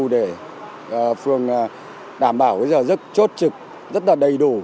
để phường đảm bảo bây giờ rất chốt trực rất là đầy đủ